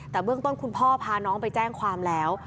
แต่เบื้องต้นคุณพ่อพาน้องไปแจ้งความแล้ว